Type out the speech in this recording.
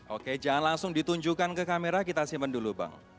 oke jangan langsung ditunjukkan ke kamera kita simpan dulu bang